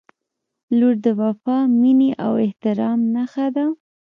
• لور د وفا، مینې او احترام نښه ده.